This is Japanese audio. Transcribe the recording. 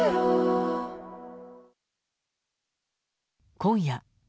今夜。